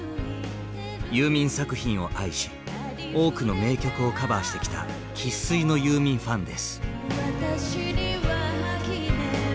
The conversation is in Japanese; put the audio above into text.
ユーミン作品を愛し多くの名曲をカバーしてきた生っ粋のユーミンファンです。